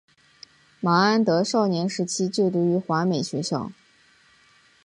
麻安德少年时期就读于华美学校。